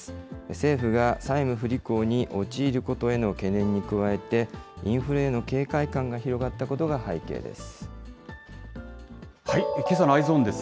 政府が債務不履行に陥ることへの懸念に加えて、インフレへの警戒感が広がったことが背景です。